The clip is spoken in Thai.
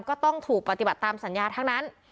ก็ต้องถูกปฏิบัติตามสัญญาทั้งนั้น